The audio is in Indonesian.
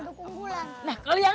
satu atap lima keluarga